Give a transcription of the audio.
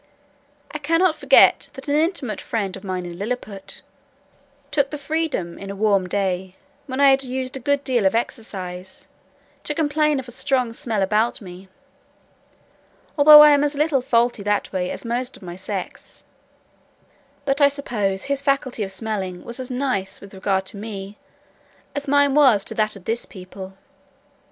I cannot forget, that an intimate friend of mine in Lilliput, took the freedom in a warm day, when I had used a good deal of exercise, to complain of a strong smell about me, although I am as little faulty that way, as most of my sex: but I suppose his faculty of smelling was as nice with regard to me, as mine was to that of this people.